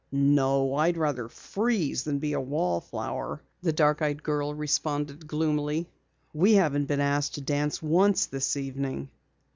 "No, I'd rather freeze than be a wallflower," the dark eyed girl responded gloomily. "We haven't been asked to dance once this evening."